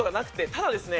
ただですね